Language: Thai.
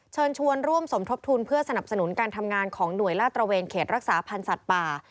เชิญชวนร่วมสมทบทุนเพื่อสนับสนุนการทำงานของหน่วยลาดตระเวนเขตรักษาพันธ์สัตว์ป่า